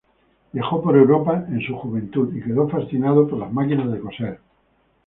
Viajó por Europa en su juventud y quedó fascinado por las máquinas de coser.